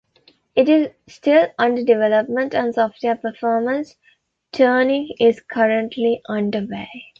It is still under development and software performance tuning is currently underway.